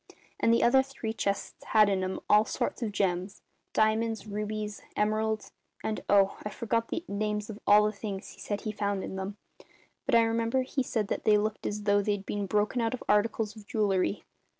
And the other three chests had in 'em all sorts of gems diamonds, rubies, emeralds and oh, I forget the names of all the things he said he found in them; but I remember he said that they looked as though they'd been broken out of articles of jewellery.